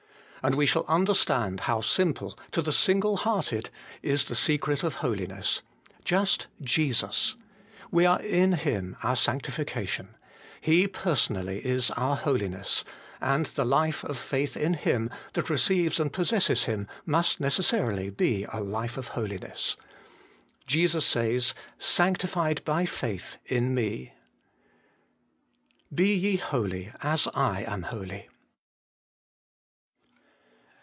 And we shall understand how simple, to the single hearted, is the secret of holiness : just Jesus. We are in Him, our Sanctification : He personally is our Holiness ; and the life of faith in Him, that receives and possesses Him, must necessarily be a life of holiness. Jesus says, ' Sanctified by faith in me.' BE YE HOLY, AS I AM HOLY.